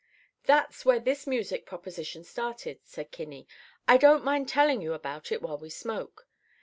"That's where this music proposition started," said Kinney. "I don't mind telling you about it while we smoke.